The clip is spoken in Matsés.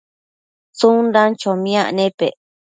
tsundan chomiac nepec